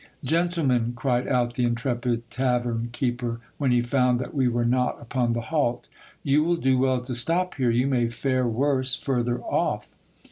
Gentlemen, cried out the intrepid tavern keeper, when he found hat we were not upon the halt, you will do well to stop here ; you may fare worse further off.